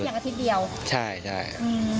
ที่เห็นได้เพียงอาทิตย์เดียว